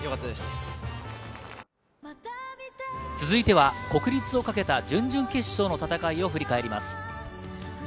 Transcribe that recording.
続いては国立をかけた準々決勝の戦いを振り返ります。